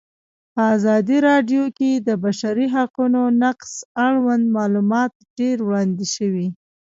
په ازادي راډیو کې د د بشري حقونو نقض اړوند معلومات ډېر وړاندې شوي.